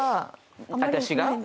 私が？